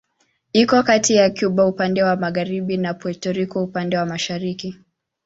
Iko kati ya Kuba upande wa magharibi na Puerto Rico upande wa mashariki.